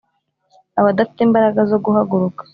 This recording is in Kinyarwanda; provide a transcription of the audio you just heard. abadafite imbaraga zo guhaguruka